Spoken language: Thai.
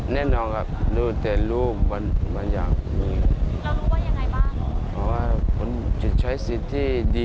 แล้วเข้าใจไหมคะว่าผ่านมันเป็นยังไงต้องทำอย่างไรเข้าใจไหม